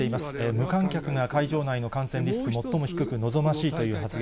無観客が会場内の感染リスク、最も低く望ましいという発言。